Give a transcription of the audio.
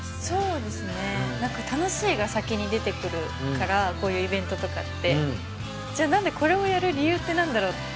そうですね何か楽しいが先に出てくるからこういうイベントとかってじゃあ何でこれをやる理由って何だろう？